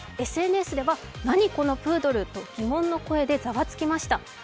ＳＮＳでは、何このプードル？という疑問の声でざわつきました。